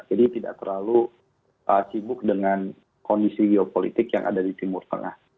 jadi tidak terlalu sibuk dengan kondisi geopolitik yang ada di timur tengah